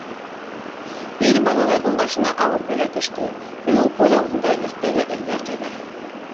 Ир балаларҙың башына ауыр бәлә төштө, бөгөн күҙ алдында, иртәгә әллә ҡайҙа.